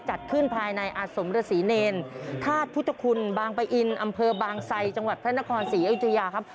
จัดขึ้นภายในอาสมฤษีเนรธาตุพุทธคุณบางปะอินอำเภอบางไซจังหวัดพระนครศรีอยุธยาครับ